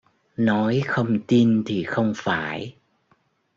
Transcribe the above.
Nói không tin thì không phải